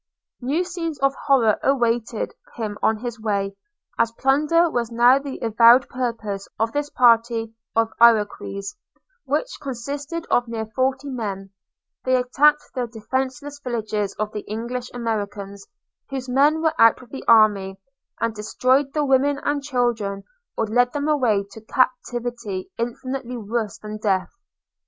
New scenes of horror awaited him on his way. As plunder was now the avowed purpose of this party of Iroquois, which consisted of near forty men, they attacked the defenceless villages of the English Americans, whose men were out with the army; and destroyed the women and children, or led them away to captivity infinitely worse than death.